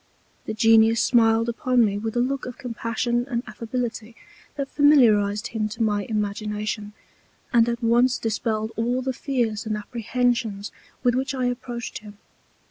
The Genius smiled upon me with a Look of Compassion and Affability that familiarized him to my Imagination, and at once dispelled all the Fears and Apprehensions with which I approached him.